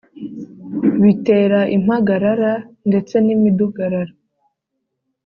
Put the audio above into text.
bitera impagarara ndetse n’imidugararo.